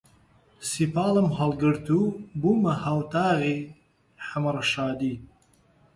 سیپاڵم هەڵگرت و بوومە هاووەتاغی حەمە ڕەشادی